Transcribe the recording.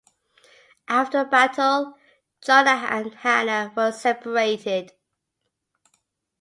After the battle, John and Hanna were separated.